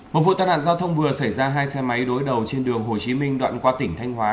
một vụ tai nạn giao thông vừa xảy ra hai xe máy đối đầu trên đường hồ chí minh đoạn qua tỉnh thanh hóa